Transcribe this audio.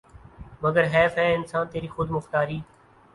مگر حیف ہے اے انسان تیری خود مختاری